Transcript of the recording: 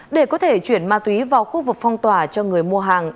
để có thể chuyển ma túy vào khu vực phong tỏa cho người mua hàng